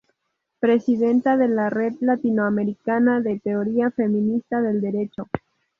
Presidenta de la Red Latinoamericana de Teoría Feminista del derecho.